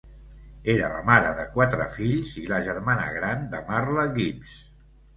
Era la mare de quatre fills i la germana gran de Marla Gibbs.